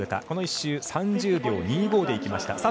この１周３０秒２５でいきました。